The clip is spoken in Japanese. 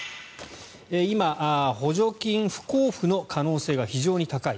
今、補助金不交付の可能性が非常に高い。